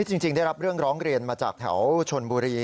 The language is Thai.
จริงได้รับเรื่องร้องเรียนมาจากแถวชนบุรี